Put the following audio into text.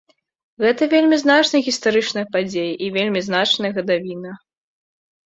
Гэта вельмі значная гістарычная падзея і вельмі значная гадавіна.